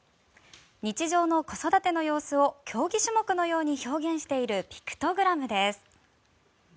日常の子育ての様子を競技種目のように表現しているピクトグラムです。